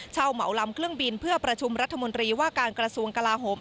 เหมาลำเครื่องบินเพื่อประชุมรัฐมนตรีว่าการกระทรวงกลาโหม